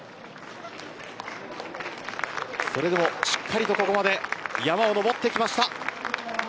それでも、しっかりとここまで山をのぼってきました。